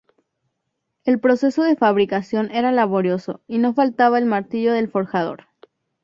El proceso de fabricación era laborioso y no faltaba el martillo del forjador.